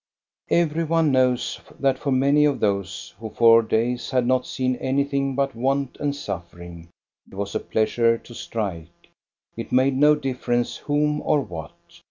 Every one knows that for many of those who for days had not seen anything but want and suffering, it was a pleasure to strike, it made no difference whom or what.